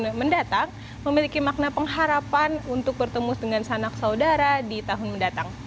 yang mendatang memiliki makna pengharapan untuk bertemu dengan sanak saudara di tahun mendatang